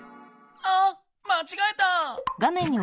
あっまちがえた！